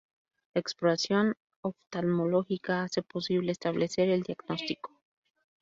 La exploración oftalmológica hace posible establecer el diagnóstico.